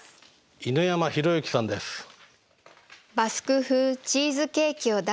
犬山裕之さんです。